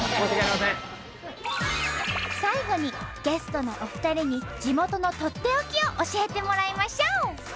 最後にゲストのお二人に地元のとっておきを教えてもらいましょう！